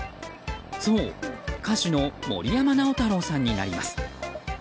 そう、歌手の森山直太朗さんになります。